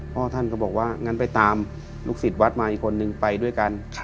พ่อท่านก็บอกว่างั้นไปตามลูกศิษย์วัดมาอีกคนนึงไปด้วยกัน